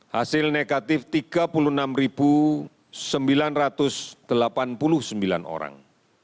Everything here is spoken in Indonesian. hasil negatif tiga puluh enam sembilan ratus delapan puluh sembilan orang